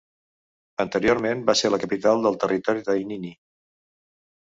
Anteriorment va ser la capital del territori d'Inini.